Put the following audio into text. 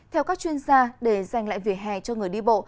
theo các chuyên gia để giành lại vỉa hè cho người đi bộ